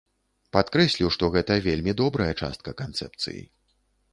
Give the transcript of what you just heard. Падкрэслю, што гэта вельмі добрая частка канцэпцыі.